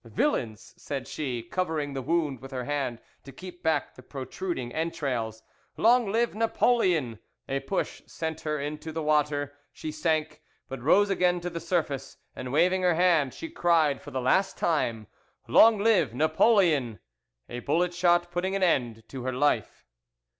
'Villains!' said she, covering the wound with her hand to keep back the protruding entrails. 'Long live Napoleon!' A push sent her into the water; she sank, but rose again to the surface, and waving her hand, she cried for the last time, 'Long live Napoleon!' a bullet shot putting an end to her life.